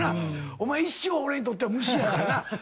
お前一生俺にとってはむしやからな。